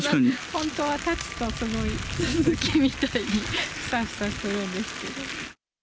本当は立つと、すごいススキみたいにふさふさするんですけど。